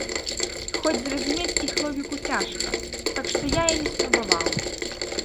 Хоць зразумець іх логіку цяжка, так што я і не спрабаваў.